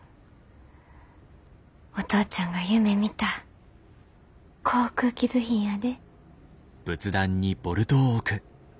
お父ちゃんが夢みた航空機部品やで。